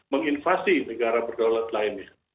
menginvasi negara berdaulat lainnya